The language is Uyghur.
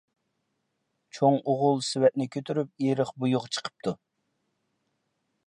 چوڭ ئوغۇل سېۋەتنى كۆتۈرۈپ ئېرىق بويىغا چىقىپتۇ،